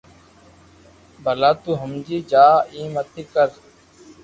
ڀلا تو ھمجي جا ايم متي ڪر